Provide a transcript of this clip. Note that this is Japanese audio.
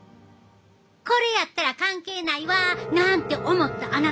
これやったら関係ないわなんて思ったあなた。